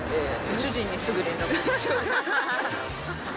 主人にすぐ連絡して。